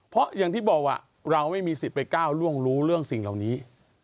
เพราะอย่างที่บอกเราไม่มีสิทธิ์ไปก้าวล่วงรู้เรื่องสิ่งเหล่านี้